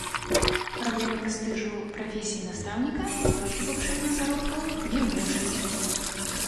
Праблему прэстыжу прафесіі настаўніка толькі павышэннем заробкаў не вырашыць.